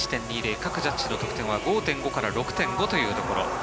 各ジャッジの得点は６．０から５．５というところ。